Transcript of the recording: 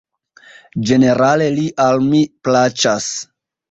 Ĝenerale li al mi plaĉas.